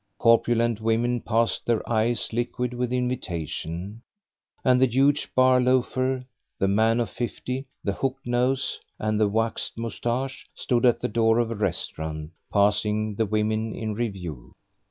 Corpulent women passed, their eyes liquid with invitation; and the huge bar loafer, the man of fifty, the hooked nose and the waxed moustache, stood at the door of a restaurant, passing the women in review.